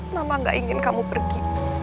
mama gak ingin kamu pergi